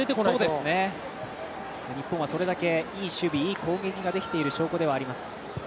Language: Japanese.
日本はそれだけいい守備、いい攻撃ができているという証拠でもあります。